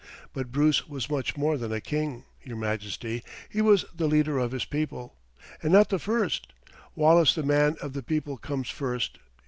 But Bruce was much more than a king, Your Majesty, he was the leader of his people. And not the first; Wallace the man of the people comes first.